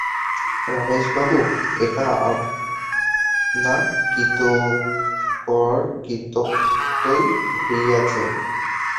রমেশবাবু, এটা আপনা কর্তৃকই হইয়াছে।